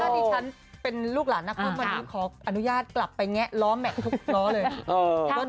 ถ้าที่ฉันเป็นลูกหลานนครวันนี้ขออนุญาตกลับไปแงะล้อแม่ล้อเลย